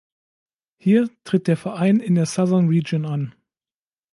Hier tritt der Verein in der Southern Region an.